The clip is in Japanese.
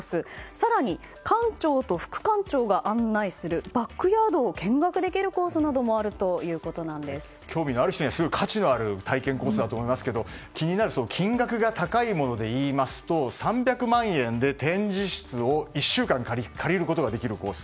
更に館長と副館長が案内するバックヤードを見学できる興味がある人には価値のあるものだと思いますが気になる金額が高いものでいいますと３００万円で展示室を１週間借りることができるコース。